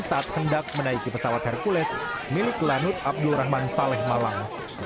saat hendak menaiki pesawat hercules milik lanut abdul rahman saleh malang